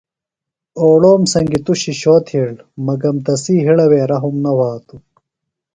اوڑوم سنگیۡ تُوۡ شِشو تِھیڑ مگم تسی ہڑہ وے رحم نہ وھاتوۡ۔